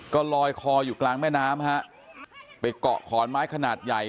ก็ลอยคออยู่กลางแม่น้ำฮะไปเกาะขอนไม้ขนาดใหญ่